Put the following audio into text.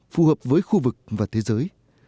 phù hợp với khu vực và thế giới